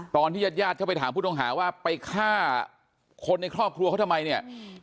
ตอนที่ญาติญาติเข้าไปถามผู้ต้องหาว่าไปฆ่าคนในครอบครัวเขาทำไมเนี่ย